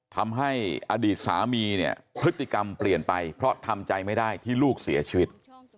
ทำให้อดีตสามีเนี่ยพฤติกรรมเปลี่ยนไปเพราะทำใจไม่ได้ที่ลูกเสียชีวิต